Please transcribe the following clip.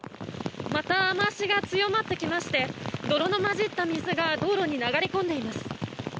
また雨脚が強まってきまして泥の混じった水が道路に水が流れ込んでいます。